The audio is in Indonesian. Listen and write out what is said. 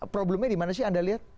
problemnya dimana sih anda lihat